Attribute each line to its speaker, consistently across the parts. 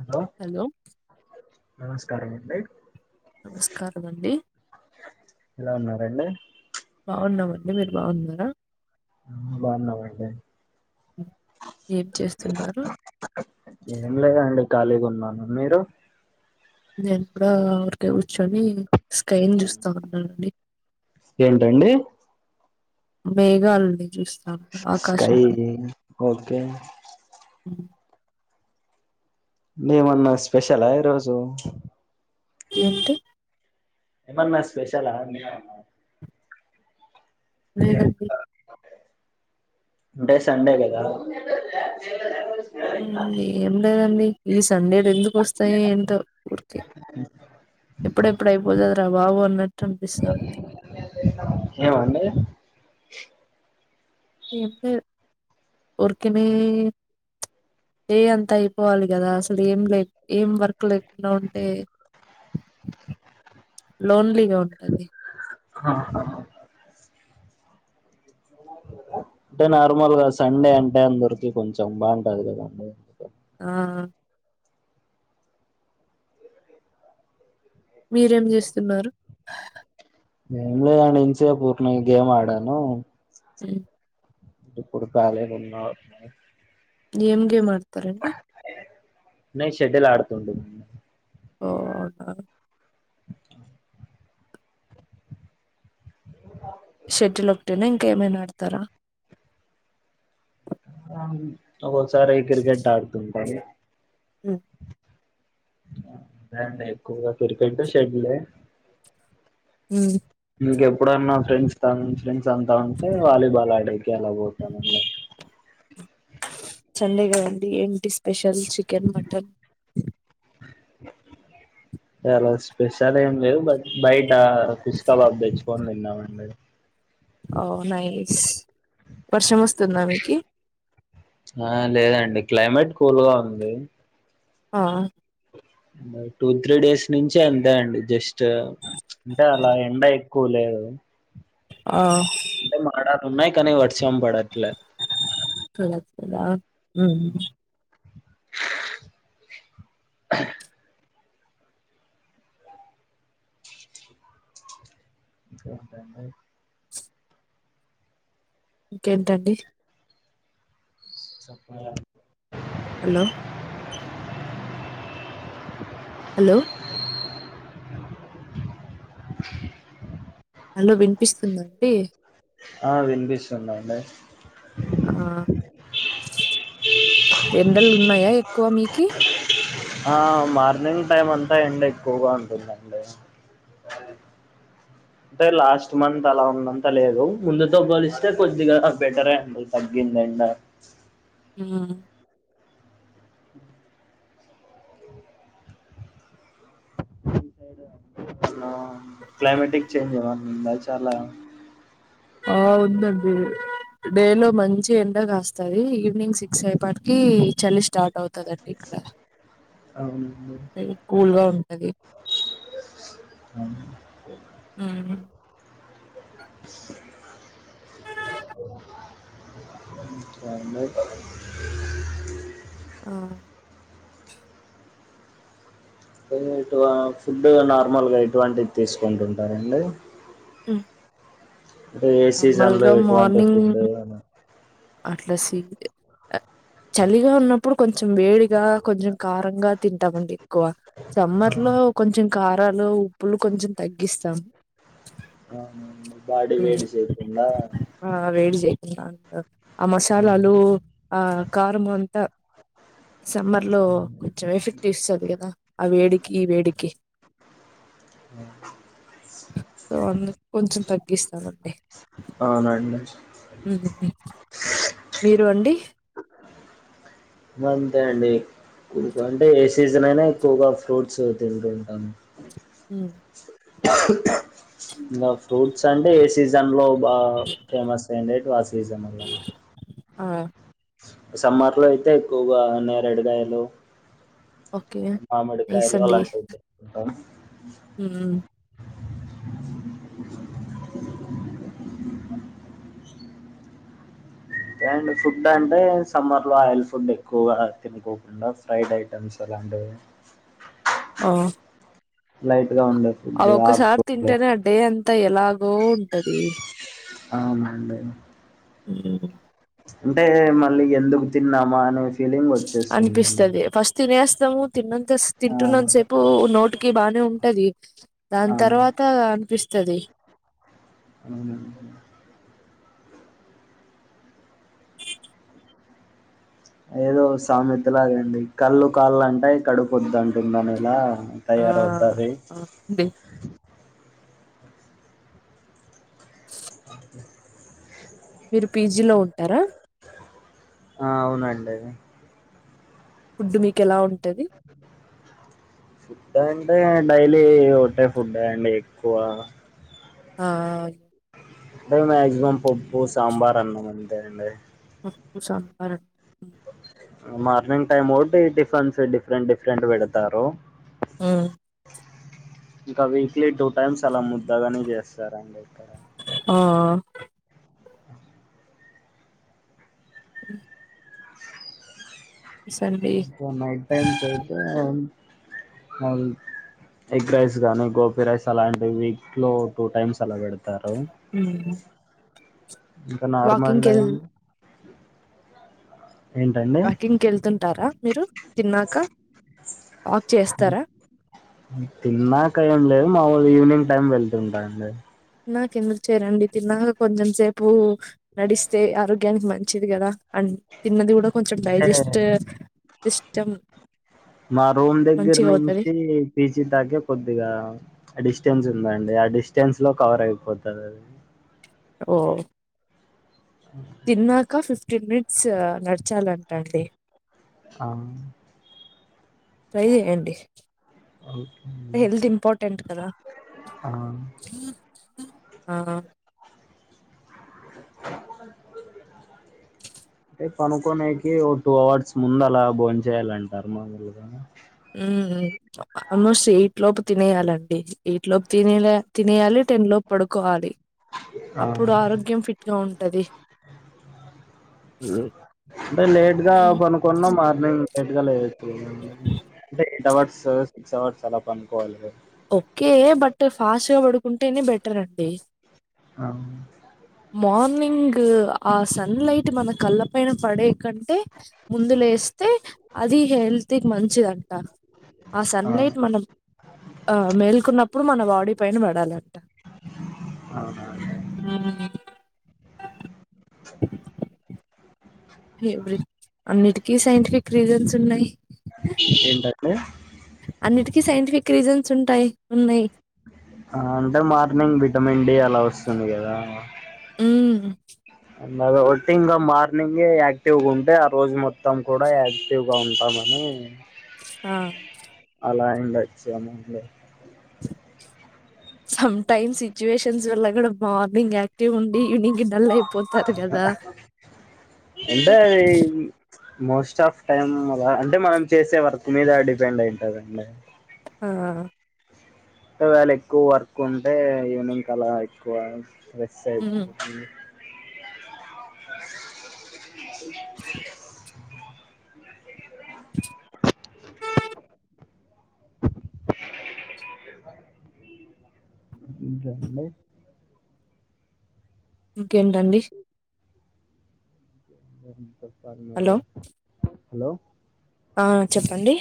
Speaker 1: Hello
Speaker 2: hello
Speaker 1: నమస్కారం అండి
Speaker 2: నమస్కారమండి
Speaker 1: ఎలా ఉన్నారండి
Speaker 2: బాగున్నామండి మీరు బాగున్నారా
Speaker 1: ఉమ్ బాగున్నామండి
Speaker 2: ఏం చేస్తున్నారు
Speaker 1: ఏం లేదండి ఖాళీగా ఉన్నాను మీరు
Speaker 2: నేను కూడా ఊరికే కూర్చొని స్కైని చూస్తా ఉన్నానండి
Speaker 1: ఏంటండి
Speaker 2: మేఘాలనీ చూస్తా ఉన్నా
Speaker 1: స్కై
Speaker 2: ఆకాశాన్ని
Speaker 1: ఓకే
Speaker 2: హ్మ్.
Speaker 1: ఏమన్నా స్పెషలా ఈరోజు
Speaker 2: ఎంటి
Speaker 1: ఏమన్నా స్పెషల మేఘాలు అన్నారు
Speaker 2: లేదండి
Speaker 1: అంటే సండే కదా
Speaker 2: ఉమ్ ఏం లేదండి ఈ సండేలు ఎందుకు వస్తాయి ఏంటో ఊరికి ఎప్పుడు ఎప్పుడు అయిపోతాద రా బాబు అన్నట్టు అనిపిస్తుంది
Speaker 1: ఏం అండి
Speaker 2: ఏం లేదు ఊరికనే డే అంతా అయిపోవాలి కదా అసలు ఏం లే ఏం వర్క్ లేకుండా ఉంటే లోన్లీగా ఉంటాది
Speaker 1: ఆ హా అంటే నార్మల్ గా సండే అంటే అందరికి కొంచెం బాగుంటాది కదండి
Speaker 2: ఆ ఆ మీరేం చేస్తున్నారు
Speaker 1: ఏం లేదండి ఇంత సేపు ఊరికినే గేమ్ ఆడాను
Speaker 2: ఆమ్
Speaker 1: ఇప్పుడు ఖాళీగా ఉన్నాను
Speaker 2: ఏం గేమ్ ఆడతారండి
Speaker 1: నేను శెట్టెల్ ఆడుతుండే
Speaker 2: ఓ ఆ షెట్టెల్ ఒకటెనా ఇంకా ఏమైనా ఆడతారా
Speaker 1: ఒక్కకసారి అయితే క్రికెట్ ఆడుతుంటాను
Speaker 2: ఆమ్
Speaker 1: [unintelligible] ఎక్కువగా క్రికెట్ షెట్లే
Speaker 2: ఉమ్
Speaker 1: ఇంకెప్పుడన్నా ఫ్రెండ్స్ ఫ్రెండ్స్ అంతా ఉంటే వాలీబాల్ ఆడేకి అలా పోతాను అండి
Speaker 2: సండేగండి ఏంటి స్పెషల్ చికెన్ మటన్
Speaker 1: అలా స్పెషల్ ఏం లేవు బట్ బయట ఫిష్ కబాబు తెచ్చుకొని తిన్నామండి
Speaker 2: ఓ నైస్ వర్షం వస్తుందా మీకి
Speaker 1: ఆ లేదండి క్లైమేట్ కూల్ గా ఉంది
Speaker 2: ఆ
Speaker 1: టూ త్రీ డేస్ నుంచే అంతే అండి జస్ట్ అంటే అలా ఎండ ఎక్కువ లేదు
Speaker 2: ఆ
Speaker 1: అంటే మాడటు ఉన్నాయి కానీ వర్షం పడట్లేదు
Speaker 2: కలెక్టర
Speaker 1: ఇంకేంటి దండి
Speaker 2: ఇంకేంటండి
Speaker 1: చెప్పర
Speaker 2: హలో హలో అలో వినిపిస్తుందండి
Speaker 1: ఆ వినిపిస్తుదండి
Speaker 2: ఆ ఎండలు ఉన్నాయా ఎక్కువ మీకి
Speaker 1: ఆ మార్నింగ్ టైమ్ అంతా ఎండ ఎక్కువగా ఉంటుందండి అంటే లాస్ట్ మంత్ అలా ఉన్నంత లేదు ముందుతో పొలిస్తే కొద్దిగా బెటరే అండి తగ్గింది ఎండ
Speaker 2: ఆ
Speaker 1: క్లైమేటిక్ చేంజ్ ఉంద చాలా
Speaker 2: ఆ ఉందండి డే లో మంచి ఎండ కాస్తది ఈవినింగ్ సిక్స్ అయిప్పటికి చలి స్టార్ట్ అవుతదాం
Speaker 1: అవునండి
Speaker 2: కూల్గా ఉంటది
Speaker 1: హ్మ్మ్
Speaker 2: హ్మ్మ్ [inaudible]
Speaker 1: హ్మ్మ్
Speaker 2: ఆ
Speaker 1: ఎటు ఫుడ్ నార్మల్గా ఎటువంటిది తీసుకుంటుంటారండి
Speaker 2: హు
Speaker 1: అంటే ఏ సీజన్ లో ఎటువంటి
Speaker 2: మార్నింగ్
Speaker 1: ఫుడ్
Speaker 2: అట్లా స చలిగా ఉన్నప్పుడు కొంచెం వేడిగా కొంచెం కారంగా తింటామండి ఎక్కువ సమ్మర్ లో కొంచెం కారాలు ఉప్పులు కొంచెం తగ్గిస్తాం
Speaker 1: ఆ బాడి
Speaker 2: ఉమ్,
Speaker 1: వేడి సేయకుండ
Speaker 2: ఆ వేడి సేయకుండా ఉంట ఆ మసాలాలు ఆ కారము అంతా సమ్మార్ లో కొంచెం ఎఫెక్ట్ ఇస్తది కదా ఆ వేడికి ఈ వేడికి
Speaker 1: అ
Speaker 2: సో అందుకు కొంచెం తగ్గిస్తామండి
Speaker 1: ఔనా అండి
Speaker 2: ఉహు మీరు అండి
Speaker 1: ఇగ అంతే అండి ఎక్కువగా అంటే ఏ సీజన్ అయినా ఎక్కువగా ఫ్రూట్స్ అవి తింటుంటాము
Speaker 2: ఉమ్మ్
Speaker 1: ఇంక ఫ్రూట్స్ అంటే ఏ సీజన్ లో బా ఫేమస్ అయిండేటివి ఆ సీజన్లో
Speaker 2: ఆ
Speaker 1: సమ్మార్లో అయితే ఎక్కువగా నేరేడుకయలు
Speaker 2: ఓకే నైస్
Speaker 1: మామిడికాయలు
Speaker 2: అండి
Speaker 1: అలాంటివి దొరుకుతాయి
Speaker 2: ఉమ్
Speaker 1: అండ్ ఫుడ్ అంటే సమ్మర్ లో ఆయిల్ ఫుడ్ ఎక్కువగా తినకోడదు ఫ్రైడ్ ఐటమ్స్ అలాంటివి
Speaker 2: ఆ
Speaker 1: లైట్ గా ఉండెవి
Speaker 2: అది ఒక్కసారి తింటేనే ఆ డే అంతా ఎలాగో ఉంటది
Speaker 1: అవునండి
Speaker 2: ఉమ్మ్
Speaker 1: అంటే మళ్ళీ ఎందుకు తిన్నామా అనే ఫీలింగ్ వచ్చేస్తుందండి
Speaker 2: అనిపిస్తది ఫస్ట్ తినేస్తాము తిన్నంత
Speaker 1: ఆ!
Speaker 2: తింటున్నంత సేపు నోటికి బానే ఉంటది దాని
Speaker 1: ఆ!
Speaker 2: తర్వాత అనిపిస్తది
Speaker 1: అవును అండి ఏదో సామెతలాగండి కళ్ళు కావాలంటయి కడుపొద్దు అంటుంది అనేల
Speaker 2: ఆ అవునండి మీరు పీజీలో ఉంటారా
Speaker 1: ఆ అవునండి
Speaker 2: ఫుడ్ మీకు ఎలా ఉంటది
Speaker 1: ఫుడ్ అంటే డైలీ ఒకటే ఫుడ్ అండి ఎక్కువ
Speaker 2: ఆ
Speaker 1: అంటే మాక్సిమం పప్పు సాంబార్ అన్నం అంతే అండి
Speaker 2: పప్పు సాంబార్
Speaker 1: మార్నింగ్ టైమ్ ఒకటి టిఫిన్స్ డిఫరెంట్ డిఫరెంట్ పెడతారు
Speaker 2: ఉమ్మ్
Speaker 1: ఇంక వీక్లీ టూ టైమ్స్ అలా ముద్దగాని చేస్తారండి
Speaker 2: ఆ అ సండే
Speaker 1: క నైట్ టైమ్స్ అయితే ఎగ్ రైస్ గానీ గోపి రైస్ అలాంటివి వీక్లో టూ టైమ్స్ అలా పెడతారు
Speaker 2: ఉమ్మ్
Speaker 1: ఇంక నోర్మల్ టైం ఏంటండి?
Speaker 2: వాకింగ్కి వెళ్తుంటారా మీరు తిన్నాక వాక్ చేస్తారా
Speaker 1: తిన్నాక ఏం లేదు మామూలు ఈవినింగ్ టైమ్ వెళ్తుంటానండి
Speaker 2: నాకు ఎందుకు చేయరండి తిన్నాక కొంచెం సేపు నడిస్తే ఆరోగ్యానికి మంచిది కదా అండ్ తిన్నది కూడా కొంచెం
Speaker 1: అంటే
Speaker 2: డైజెస్ట్ సిస్టమ్
Speaker 1: మా రూమ్ దగ్గర
Speaker 2: మంచిగా అవుతది
Speaker 1: నుంచి పీజీ దాకే కొద్దిగా ఆ డిస్టెన్స్ ఉందండి ఆ డిస్టెన్స్ లో కవర్ అయిపోతుంది అది
Speaker 2: ఓ
Speaker 1: అ
Speaker 2: తిన్నాక ఫిఫ్టీన్ మినిట్స్ నడిచాలంట అండి
Speaker 1: అవును
Speaker 2: ట్రై చేయండి
Speaker 1: ఓకే అండి.
Speaker 2: హెల్త్ ఇంపార్టెంట్ కదా
Speaker 1: ఆ!
Speaker 2: ఆ
Speaker 1: పనుకోనేకి ఓ టూ అవర్స్ ముందు అలా భోన్ చేయాలంటారు మామూలుగా
Speaker 2: మ్ మ్ ఆల్మోస్ట్ ఎయిట్ లోపు తినేయాలండి ఎయిట్ లోపు తినే తినేయాలి టెన్ లోపు పడుకోవాలి
Speaker 1: ఆ!
Speaker 2: అప్పుడు ఆరోగ్యం ఫిట్ గా ఉంటది
Speaker 1: అంటే లేట్ గా పనుకున్నా మార్నింగ్ లేట్ గా లేవచ్చు ఎయిట్ అవర్స్ సిక్స్ అవర్స్ అలా పనుకోవాలి
Speaker 2: ఓకే బట్ ఫాస్ట్ గా పడుకుంటేనే బెటర్ అండి
Speaker 1: అవును
Speaker 2: మార్నింగ్ ఆ సన్ లైట్ మన కళ్ళ పైన పడే కంటే ముందు లేస్తే అది హెల్త్ కి మంచిదంట ఆ సన్లైట్ మన ఆ మేల్కున్నప్పుడు మన బాడీ పైన పడాలంట
Speaker 1: అవునా అండి
Speaker 2: ఫవరెట్ అన్నిటికీ సైంటిఫిక్ రీజన్స్ ఉన్నాయి
Speaker 1: ఏంటండీ
Speaker 2: అన్నిటికీ సైంటిఫిక్ రీజన్స్ ఉంటాయి ఉన్నాయి
Speaker 1: ఆ అంటే మార్నింగ్ విటమిన్ డి అలా వస్తుంది కదా
Speaker 2: ఉ
Speaker 1: దాన్ని బట్టి ఇంక మార్నింగే యాక్టివ్ గా ఉంటే ఆ రోజు మొత్తం కూడా యాక్టివ్ గా ఉంటామని అ
Speaker 2: ఆ
Speaker 1: అలా అయింది [unintelligible]
Speaker 2: సమ్ టైమ్ సిచువేషన్స్ వల్ల కూడా మార్నింగ్ ఎక్ టివ్ ఉండి ఈవెనింగ్కి డల్ అయిపోతారు కదా
Speaker 1: ఇ మోస్ట్ ఆఫ్ టైమ్ రా అంటే మనం చేసే వర్క్ మీద డిపెండ్ అయ్యింటాదండి
Speaker 2: ఆ
Speaker 1: ఒక వేళ ఎక్కువ వర్క్ ఉంటే ఈవినింగ్ అలా ఎక్కువ వెక్స్
Speaker 2: ఉమ్
Speaker 1: అయిపోతుంది [inaudible] ఇంకా అండి
Speaker 2: ఇంకేంటండి
Speaker 1: చెప్పాలీ మీరే
Speaker 2: హలో
Speaker 1: హలో
Speaker 2: ఆ చెప్పండి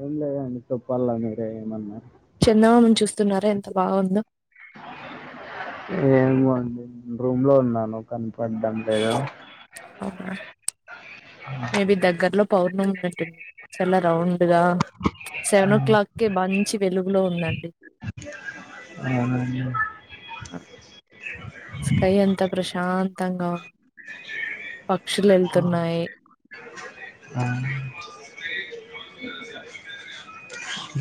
Speaker 1: ఏం లేదండి చెప్పాల్ల మీరే ఏమన్నా
Speaker 2: చందమామని చూస్తున్నారా ఎంత బావుందో
Speaker 1: ఏమొ అండి నెన్ రూమ్ లో ఉన్నాను కనపడ్డం లేదు
Speaker 2: అవునా
Speaker 1: ఆ
Speaker 2: మే బి దగ్గరలో పౌర్ణమి ఉన్నట్టుంది చాలా రౌండ్ గా సెవెన్ ఓ క్లాక్ కె బంచి వెలుగులో ఉందండి
Speaker 1: అవునా అండి
Speaker 2: స్కై అంత ప్రశాంతంగా ఉన్ పక్షులెళ్తున్నాయి
Speaker 1: ఆవునా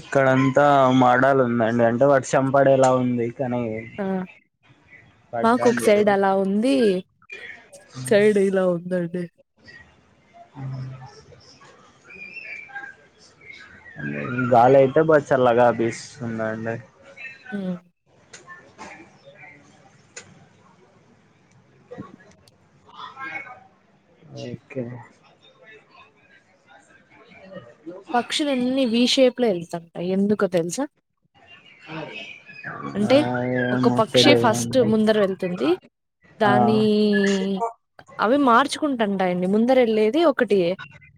Speaker 1: ఇక్కడంతా మడాలుందండి అంటే వర్షం పడేలా ఉంది కనీ
Speaker 2: ఆ మాకు ఒక
Speaker 1: లేదు
Speaker 2: సైడ్ అలా ఉంది సైడ్ ఇలా ఉందండి
Speaker 1: హ్మ్ [inaudible] ఏం లేదు గాలయితే బా చల్లగా బిస్తుందండి
Speaker 2: ఉమ్
Speaker 1: ఓకె అయింద రివ్యూ
Speaker 2: పక్షులన్ని వి షేప్ లో ఎళ్తుంటాయి ఎందుకో తెలుసా అంటే
Speaker 1: ఆ
Speaker 2: ఒక
Speaker 1: ఏమో
Speaker 2: పక్షి ఫస్ట్
Speaker 1: తెలియదండి
Speaker 2: ముందర వెళ్తుంది
Speaker 1: ఆ
Speaker 2: దాన్ని అవి మార్చుకుంటంటాయండి ముందరెళ్ళేది ఒక్ ఒకటియే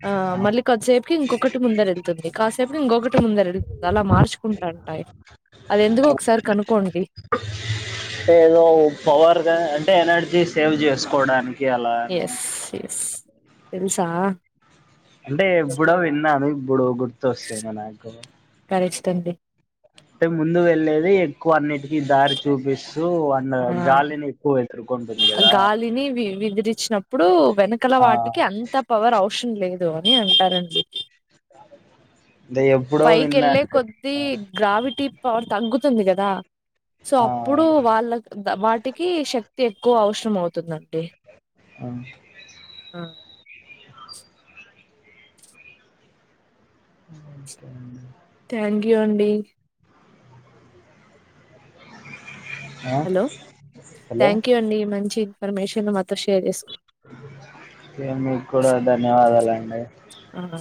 Speaker 2: ఆ మళ్ళీ కొద్దిసేపుకి ఇంకొకట్ టి ముందర ఎళ్తుంది కాసేపుకి ఇంకొకటి ముందర ఎళ్తుంది అలా మార్చుకుంటాంటాయి అది ఎందుకొ ఒకసారి కనుక్కోండి
Speaker 1: టే ఏదో పవర్గ అంటే ఎనర్జీ సేవ్ చేసుకోవడానికి అలా అని
Speaker 2: ఎస్ ఎస్ తెలుసా
Speaker 1: అంటే ఎప్పుడో విన్నాను ఇప్పుడు గుర్తొస్చింది నాకు
Speaker 2: కరెస్టన్డి
Speaker 1: టే ముందు వెళ్లేది ఎక్కువ అన్నిటికీ దారి చూపిస్తూ అండగ గాలిని ఎక్కువ వెత్రు
Speaker 2: ఆ గాలిని వి విదిరిచ్చినప్పుడు వెనకల
Speaker 1: ఆ
Speaker 2: వాటికి అం త పవర్ అవసరం లేదు అని అంటారండి
Speaker 1: దే ఎప్
Speaker 2: పైకెళ్ళే కొద్దీ గ్రావిటీ పవర్ తగ్గుతుంది గదా సో
Speaker 1: ఆ
Speaker 2: అప్పుడు వాళ్ళక్ ద వాటికి శక్తి ఎక్కువ అవసరం అవుతుందండి
Speaker 1: ఆ
Speaker 2: ఉమ్
Speaker 1: ఓకే అండి
Speaker 2: థ్యాంక్ యూ అండి
Speaker 1: ఆ!
Speaker 2: హలో
Speaker 1: హలో
Speaker 2: థ్యాంక్ యూ అండి మంచి ఇన్ఫర్మేషన్ మాతో షేర్ చేసుకు
Speaker 1: కే మీక్కుడ ధన్యవాదాలండి
Speaker 2: ఆ